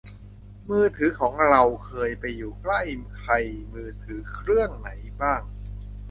มือถือของเราเคยไปอยู่ใกล้ใครมือถือเครื่องไหนบ้าง